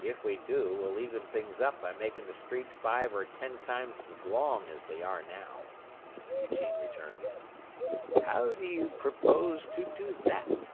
"If we do, we'll even things up by making the streets five or ten times as long as they are now," Eugene returned. "How do you propose to do that?"